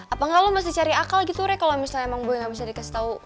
apa gak lo masih cari akal gitu re kalo misalnya emang boy gak bisa dikasih tau